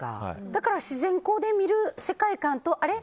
だから自然光で見る世界観とあれ？